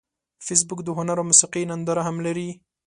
فېسبوک د هنر او موسیقۍ ننداره هم لري